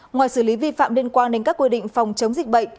ngoài xử lý vi phạm liên quan đến các quy định phòng chống dịch bệnh